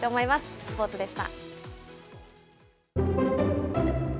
スポーツでした。